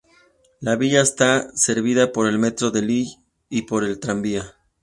La villa está servida por el metro de Lille y por el tranvía.